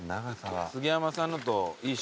杉山さんのといい勝負か。